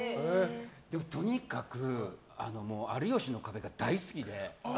とにかく「有吉の壁」とか大好きで。